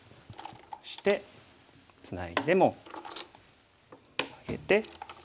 そしてツナいでもマゲて。